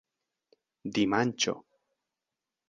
dimanĉo